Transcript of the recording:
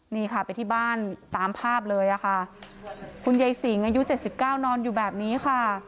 นี่ค่ะไปที่บ้านตามภาพเลยค่ะคุณยายสิงหายุเจ็ดสิบเก้านอนอยู่แบบนี้ค่ะ